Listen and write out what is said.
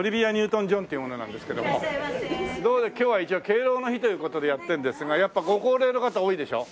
今日は一応敬老の日という事でやってるんですがやっぱご高齢の方多いでしょ？